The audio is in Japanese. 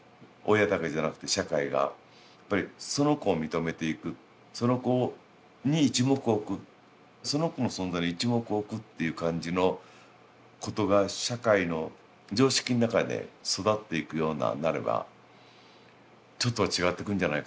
その子を認めていくその子に一目置くその子の存在に一目置くっていう感じのことが社会の常識の中で育っていくようななればちょっとは違ってくんじゃないかなって